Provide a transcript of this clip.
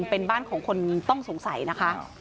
เป็นบ้านของคนต้องสงสัยนะคะ